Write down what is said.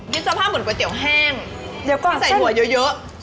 มีสภาพเหมือนก๋วยติวแห้งไม่ใส่หัวเยอะ